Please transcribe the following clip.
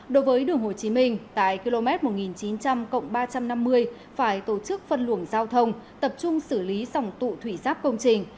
đối với đường hồ chí minh tại km một nghìn chín trăm linh ba trăm năm mươi phải tổ chức phân luồng giao thông tập trung xử lý dòng tụ thủy giáp công trình